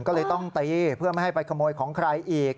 ก็เลยต้องตีเพื่อไม่ให้ไปขโมยของใครอีก